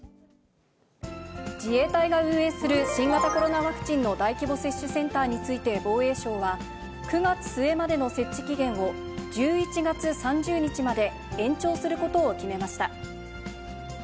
自衛隊が運営する新型コロナワクチンの大規模接種センターについて、防衛省は、９月末までの設置期限を１１月３０日まで延長することを決めました。